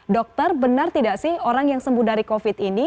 dokter benar tidak sih orang yang sembuh dari covid ini